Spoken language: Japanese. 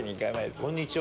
こんにちは。